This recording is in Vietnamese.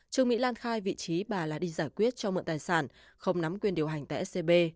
trương mỹ lan khai vị trí bà là đi giải quyết cho mượn tài sản không nắm quyền điều hành tại scb